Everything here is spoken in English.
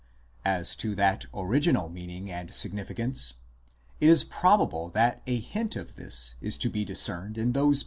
As to that original meaning and significance, it is probable that a hint of this is to be discerned in those 1 Op.